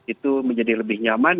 itu menjadi lebih nyaman